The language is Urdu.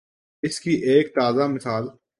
اس کی ایک تازہ مثال